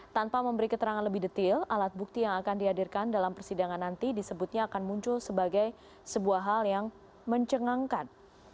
tanpa memberi keterangan lebih detail alat bukti yang akan dihadirkan dalam persidangan nanti disebutnya akan muncul sebagai sebuah hal yang mencengangkan